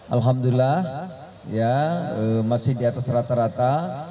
alhamdulillah masih di atas rata rata